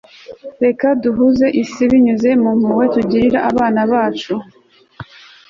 reka duhuze isi binyuze mu mpuhwe tugirira abana bacu. - kailash satyarthi